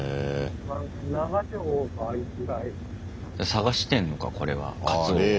探してんのかこれはカツオを。